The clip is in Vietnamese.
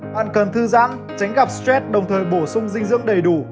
bạn cần thư giãn tránh gặp stress đồng thời bổ sung dinh dưỡng đầy đủ